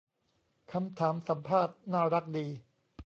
คำถามสัมภาษณ์น่ารักดี